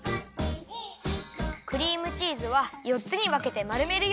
クリームチーズはよっつにわけてまるめるよ。